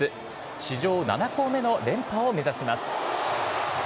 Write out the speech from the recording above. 史上７校目の連覇を目指します。